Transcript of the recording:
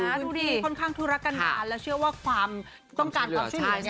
มีค่อนข้างธุระกันดาและเชื่อว่าความต้องการตอบชื่อเหลือ